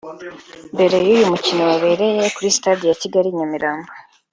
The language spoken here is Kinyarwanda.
Mbere y’uyu mukino wabereye kuri stade ya Kigali i Nyamirambo